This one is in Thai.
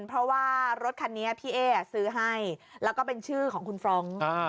เพราะว่ารถคันนี้พี่เอ๊ซื้อให้แล้วก็เป็นชื่อของคุณฟรองก์